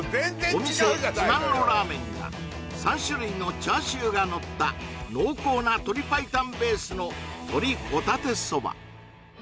お店自慢のラーメンが３種類のチャーシューがのった濃厚な鶏パイタンベースの鶏ホタテそば